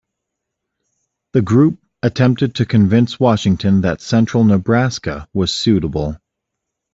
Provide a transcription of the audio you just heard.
The group attempted to convince Washington that central Nebraska was suitable.